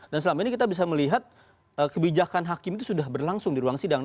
dan selama ini kita bisa melihat kebijakan hakim itu sudah berlangsung di ruang sidang